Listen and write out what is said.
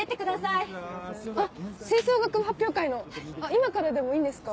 今からでもいいんですか？